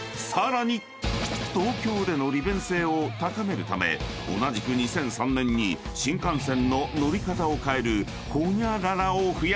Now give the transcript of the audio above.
［東京での利便性を高めるため同じく２００３年に新幹線の乗り方を変えるホニャララを増やした］